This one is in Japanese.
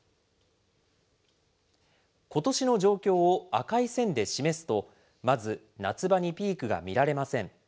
ことしの状況を赤い線で示すと、まず夏場にピークが見られません。